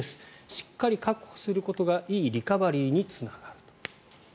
しっかり確保することがいいリカバリーにつながると。